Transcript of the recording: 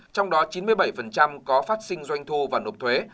trong đó chín mươi bảy có phát sinh doanh thu và nộp thuế